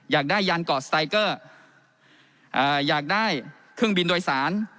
อยากได้ยานกอดสไตเกอร์อยากได้เครื่องบินโดยสาร